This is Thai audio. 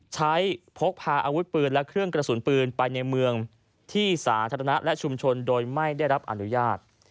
พกพาอาวุธปืนและเครื่องกระสุนปืนไปในเมืองที่สาธารณะและชุมชนโดยไม่ได้รับอนุญาต